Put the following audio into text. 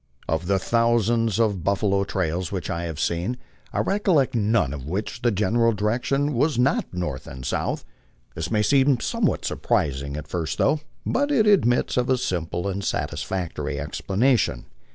Of the thousands of buffalo trails which I have seen, I recollect none of which the general direction was not north and south. This may seem somewhat surprising at first thought, but it admits of a simple and satisfactory explanation.